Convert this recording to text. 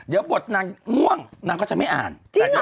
เดี๋ยวบทนางง่วงนางก็จะไม่อ่าน